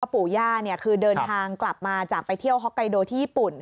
ปู่ย่าคือเดินทางกลับมาจากไปเที่ยวฮอกไกโดที่ญี่ปุ่น